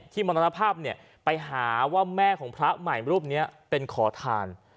มรณภาพไปหาว่าแม่ของพระใหม่รูปนี้เป็นขอทาน